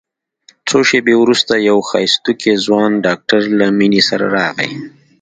څو شېبې وروسته يو ښايستوکى ځوان ډاکتر له مينې سره راغى.